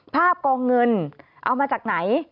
กองเงินเอามาจากไหน